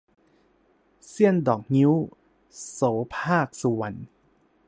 เสี้ยนดอกงิ้ว - โสภาค สุวรรณ